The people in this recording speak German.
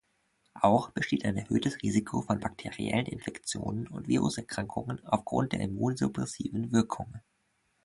Auch besteht ein erhöhtes Risiko von bakteriellen Infektionen und Viruserkrankungen aufgrund der immunsuppressiven Wirkung.